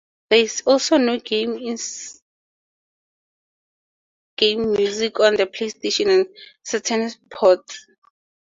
There is also no in-game music on the PlayStation and Saturn ports.